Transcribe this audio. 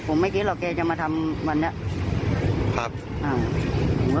ผมพิสัตว์เกแต